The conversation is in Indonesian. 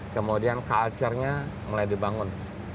kemudian culture nya mulai dibangun